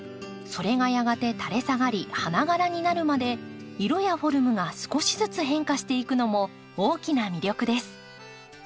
それがやがてたれ下がり花がらになるまで色やフォルムが少しずつ変化していくのも大きな魅力です。